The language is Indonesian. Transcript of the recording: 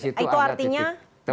di situ ada titik